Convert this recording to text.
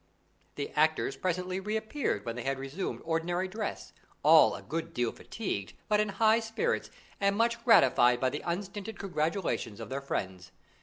The actors presently reappeared, when they had resumed ordinary dress, all a good deal fatigued, but in high spirits and much gratified by the unstinted congratulations of their friends.